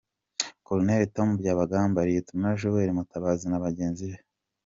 Colonel Tom Byabagamba, Lt Joel Mutabazi na bagenzi be,